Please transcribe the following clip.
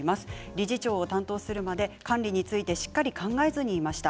理事長を担当するまで管理についてしっかり考えずにいました。